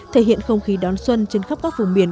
thể hiện không khí đón xuân trên khắp các vùng miền